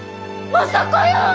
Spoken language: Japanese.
まさかやー！